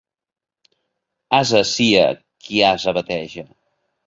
Ase sia qui ase bateja.